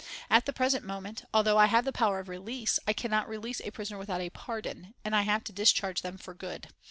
At the present moment, although I have the power of release, I cannot release a prisoner without a pardon, and I have to discharge them for good.